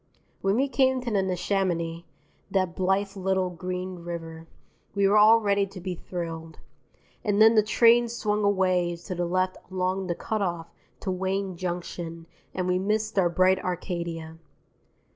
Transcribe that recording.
When we came to the Neshaminy, that blithe little green river, we were all ready to be thrilled. And then the train swung away to the left along the cut off to Wayne Junction and we missed our bright Arcadia.